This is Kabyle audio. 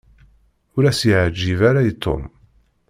Ur as-yeɛǧib ara i Tom.